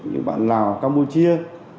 như bạn lào campuchia